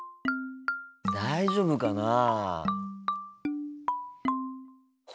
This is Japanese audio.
大丈夫かなあ。